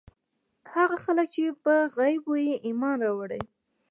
هغه خلک چې په غيبو ئې ايمان راوړی